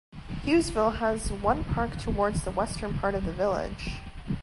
Hughesville has one park towards the western part of the village.